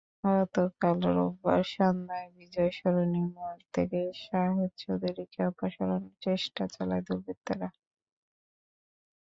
গতকাল রোববার সন্ধ্যায় বিজয় সরণি মোড় থেকে শাহেদ চৌধুরীকে অপহরণের চেষ্টা চালায় দুর্বৃত্তরা।